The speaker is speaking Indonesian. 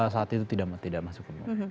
saat itu tidak masuk ke mal